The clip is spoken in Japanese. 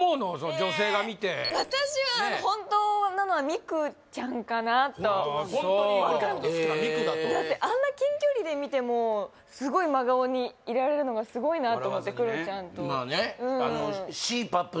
女性が見て私は本当なのはミクちゃんかなとあっそうへえだってあんな近距離で見てもすごい真顔にいられるのがすごいなと思ってクロちゃんとまあね